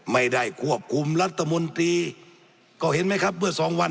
ไม่ได้ควบคุมรัฐมนตรีก็เห็นไหมครับเมื่อสองวัน